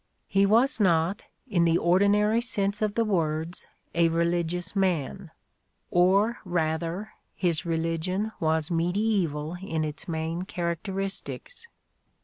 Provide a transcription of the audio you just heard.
He was not, in the ordinary sense of the words, a religious man : or rather, his reUgion was medieeval in its main characteristics.